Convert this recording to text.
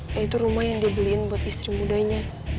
yaitu rumah yang dibeliin buat istri budayanya